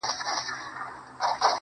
o ستا هغه ګوته طلایي چیري ده.